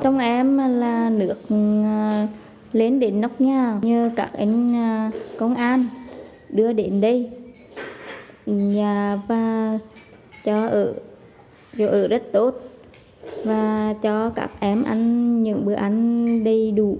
trong em là được lên đến nóc nhà nhờ các anh công an đưa đến đây nhà và cho ở rất tốt và cho các em ăn những bữa ăn đầy đủ